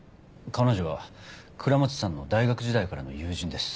彼女は倉持さんの大学時代からの友人です。